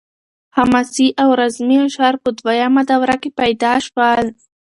حماسي او رزمي اشعار په دویمه دوره کې پیدا شول.